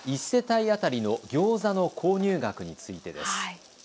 １世帯当たりのギョーザの購入額についてです。